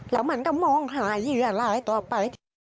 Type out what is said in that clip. แล้วมันก็มองหาเหยื่อรายต่อไป